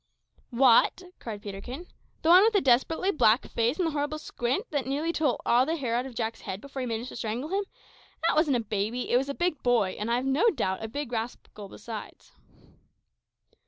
"What!" cried Peterkin, "the one with the desperately black face and the horrible squint, that nearly tore all the hair out of Jack's head before he managed to strangle him? That wasn't a baby; it was a big boy, and I have no doubt a big rascal besides."